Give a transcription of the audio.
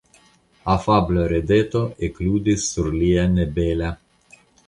Afabla rideto ekludis sur lia nebela.